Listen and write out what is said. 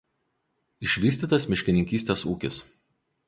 Išvystytas miškininkystės ūkis.